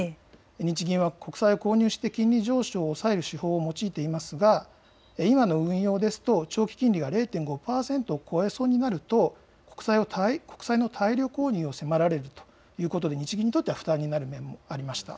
日銀は国債を購入して金利上昇を抑える手法を用いていますが今の運用ですと長期金利が０．５％を超えそうになると国債の大量購入を迫られるということで日銀にとっては負担になる面もありました。